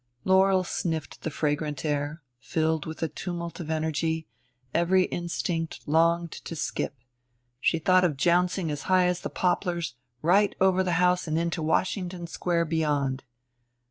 Laurel sniffed the fragrant air, filled with a tumult of energy; every instinct longed to skip; she thought of jouncing as high as the poplars, right over the house and into Washington Square beyond.